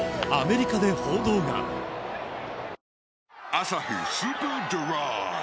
「アサヒスーパードライ」